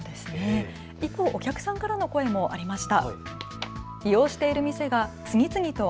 一方、お客さんからの声もありました。